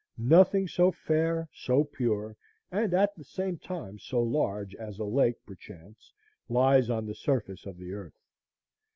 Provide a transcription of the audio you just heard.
Nothing so fair, so pure, and at the same time so large, as a lake, perchance, lies on the surface of the earth.